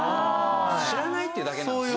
知らないっていうだけなんですね。